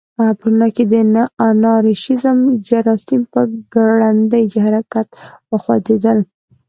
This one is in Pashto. په ټولنه کې د انارشیزم جراثیم په ګړندي حرکت وخوځېدل.